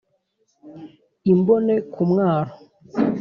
Imbone ku mwaro